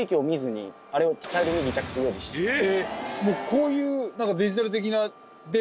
こういう。